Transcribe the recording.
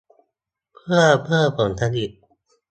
เพื่อเพิ่มผลผลิต